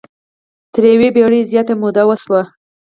تر یوې پېړۍ زیاته موده وشوه.